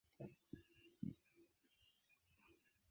La princo promesis plenumi la konsilon de Ringo.